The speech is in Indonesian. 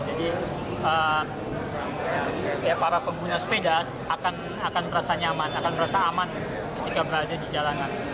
jadi para pengguna sepeda akan merasa nyaman akan merasa aman ketika berada di jalanan